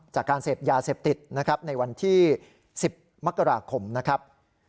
จากการเสพยาเสพติดนะครับในวันที่๑๐มกราคมนะครับ